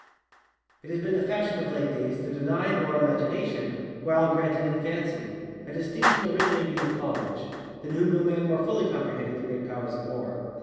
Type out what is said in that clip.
It has been the fashion of late days to deny Moore Imagination, while granting him FancyŌĆöa distinction originating with ColeridgeŌĆöthan whom no man more fully comprehended the great powers of Moore.